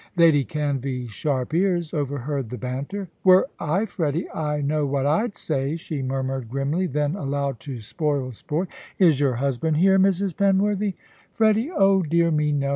Lady Canvey's sharp ears overheard the banter. "Were I Freddy I know what I'd say," she murmured grimly; then aloud, to spoil sport, "Is your husband here, Mrs. Penworthy?" "Freddy? Oh, dear me, no.